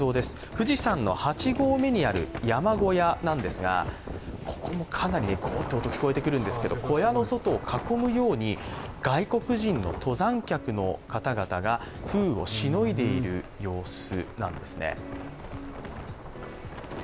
富士山の８合目にある山小屋なんですが、ここも、かなりゴーッという音が聞こえてくるんですけど、小屋の外を囲むように外国人の登山客の方々が風雨をしのいでいる様子なんですね。